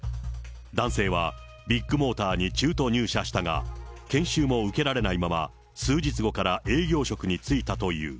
男性はビッグモーターに中途入社したが、研修も受けられないまま、数日後から営業職に就いたという。